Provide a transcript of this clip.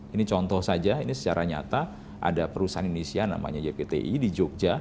ini contoh saja ini secara nyata ada perusahaan indonesia namanya jpti di jogja